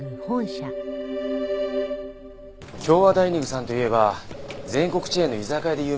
京和ダイニングさんといえば全国チェーンの居酒屋で有名ですよね。